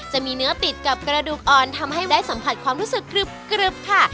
จะมีเนื้อติดกับกระดูกอ่อนทำให้ได้สัมผัสความรู้สึกกรึบค่ะ